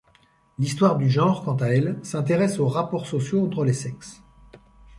L’histoire du genre, quant à elle, s’intéresse aux rapports sociaux entre les sexes.